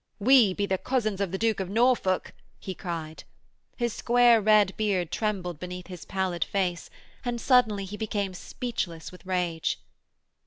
'We be the cousins of the Duke of Norfolk,' he cried. His square red beard trembled beneath his pallid face, and suddenly he became speechless with rage.